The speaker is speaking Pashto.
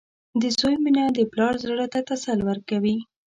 • د زوی مینه د پلار زړۀ ته تسل ورکوي.